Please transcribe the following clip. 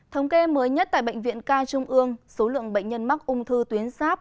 thống kê mới nhất tại bệnh viện ca trung ương số lượng bệnh nhân mắc ung thư tuyến sáp